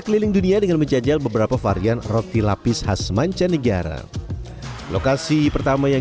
keliling dunia dengan menjajal beberapa varian roti lapis khas mancanegara lokasi pertama yang